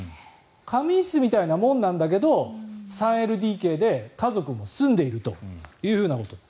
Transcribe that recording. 仮眠室みたいなものなんだけど３ＬＤＫで家族も住んでいるということ。